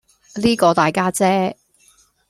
呢個大家姐